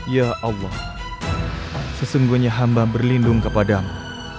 ya allah sesungguhnya hamba berlindung kepadamu